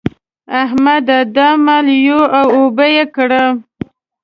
احمده! دا مال یوه او اوبه يې کړه.